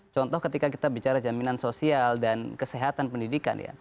contoh ketika kita bicara jaminan sosial dan kesehatan pendidikan ya